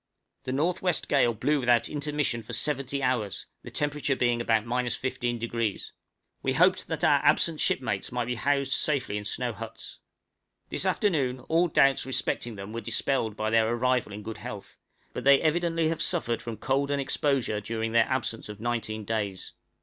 _ The N.W. gale blew without intermission for seventy hours, the temperature being about 15°: we hoped that our absent shipmates might be housed safely in snow huts. This afternoon all doubts respecting them were dispelled by their arrival in good health, but they evidently have suffered from cold and exposure during their absence of nineteen days.